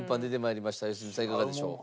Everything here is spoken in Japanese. いかがでしょう？